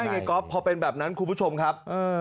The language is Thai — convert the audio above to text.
ไงก๊อฟพอเป็นแบบนั้นคุณผู้ชมครับ